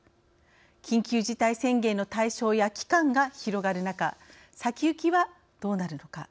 緊急事態宣言の対象や期間が広がる中先行きは、どうなるのか。